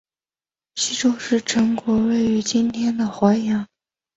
西周时陈国位于今天的淮阳。